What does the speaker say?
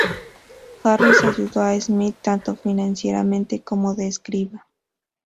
Harris ayudó a Smith tanto financieramente como de escriba.